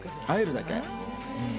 あえるだけ。